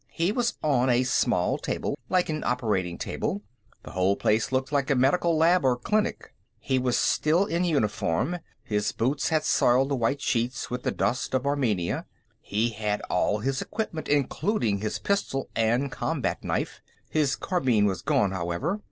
He was on a small table, like an operating table; the whole place looked like a medical lab or a clinic. He was still in uniform; his boots had soiled the white sheets with the dust of Armenia. He had all his equipment, including his pistol and combat knife; his carbine was gone, however.